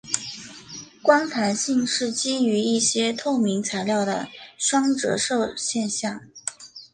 光弹性是基于一些透明材料的双折射现象。